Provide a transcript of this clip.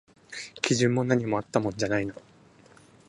基準も何もあったもんじゃないな